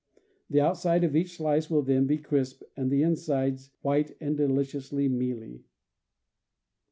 The outside of each slice will then be crisp and the insides white and deliciously mealy.